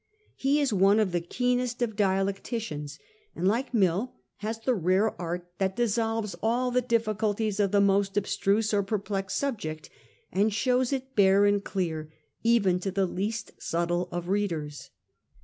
He is one of the keenest of dialecticians ; and like Mill has the rare art that dis solves all the difficulties of the most abstruse or per plexed subject, and shows it bare and clear even to the least subtle of readers.